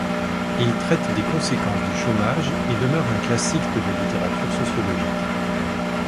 Il traite des conséquences du chômage et demeure un classique de la littérature sociologique.